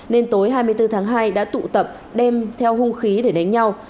nên tối hai mươi bốn tháng hai đã tụ tập đem theo hung khí để đánh nhau